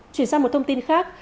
chuyển sang một thông tin khác